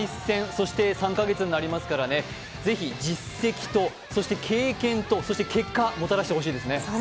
そして３か月になりますからぜひ実績と経験とそして結果、もたらしてほしいですね。